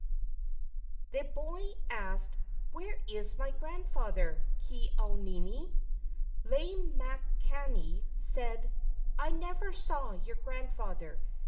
The boy asked, "Where is my grandfather, Ke au nini? ,, Lei makani said: "I never saw your grandfather.